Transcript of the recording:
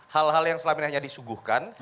hal hal yang selamanya hanya disuguhkan